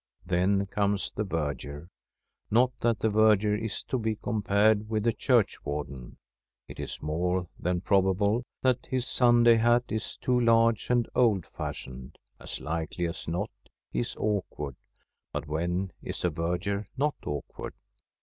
Then comes the verger. Not that the verger is to be compared with the churchwarden. It is more than probable that his Sunday hat is too large and old fashioned; as likely as not he is awkward — but when is a verger not awkward?